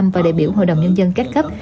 và đề biểu hội đồng nhân dân cách cấp